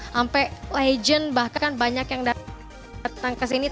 sampai legend bahkan banyak yang datang ke sini